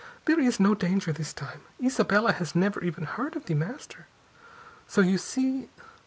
There is no danger, this time. Isabella has never even heard of The Master. So you see...."